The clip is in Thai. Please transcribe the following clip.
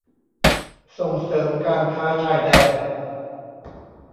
ส่งเสริมการค้าชายแดน